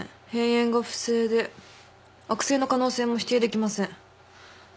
辺縁が不整で悪性の可能性も否定できません。